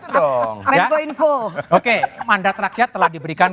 oke mandat rakyat telah diberikan kepada prabowo subianto gibran raka bumingara dan pak bintung